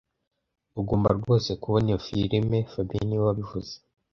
Ugomba rwose kubona iyo firime fabien niwe wabivuze